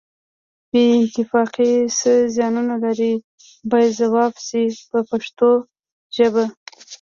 بې اتفاقي څه زیانونه لري باید ځواب شي په پښتو ژبه.